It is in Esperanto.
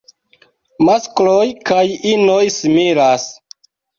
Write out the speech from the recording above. Maskloj kaj inoj similas.